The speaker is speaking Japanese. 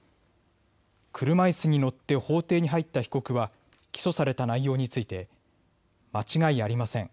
車いすに乗って法廷に入った被告は起訴された内容について間違いありません。